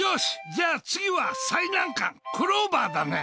じゃあ、次は最難関、クローバーだね。